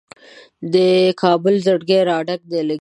د کابل زړګی راډک دی له ګیلو نه